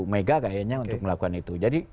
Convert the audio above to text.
mega kayaknya untuk melakukan itu jadi